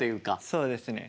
そうですね。